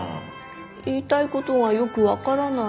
言いたい事がよくわからない。